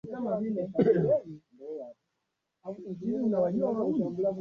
zaidi ya watu laki mbili wameadhiriwa na kimbunga hicho